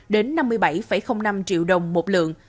đến năm mươi bảy năm triệu đồng một lượng